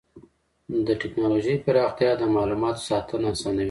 د ټکنالوجۍ پراختیا د معلوماتو ساتنه اسانوي.